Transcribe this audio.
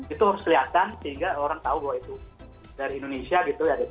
itu harus kelihatan sehingga orang tahu bahwa itu dari indonesia gitu ya